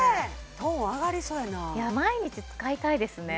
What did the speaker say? トーン上がりそうやな毎日使いたいですね